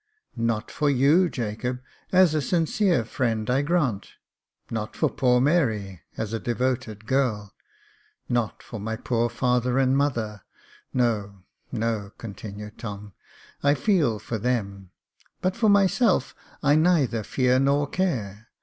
" Not for you, Jacob, as a sincere friend, I grant \ not for poor Mary, as a devoted girl ; not for my poor father and mother — no, no," continued Tom. " I feel for them, but for myself I neither fear nor care.